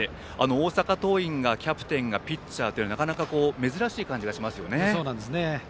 大阪桐蔭がキャプテンがピッチャーとなかなか珍しい感じがしますね。